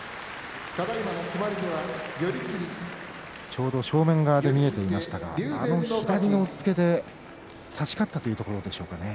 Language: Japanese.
ちょうど正面側で見えていましたがあの左押っつけで差し勝ったというところでしょうかね。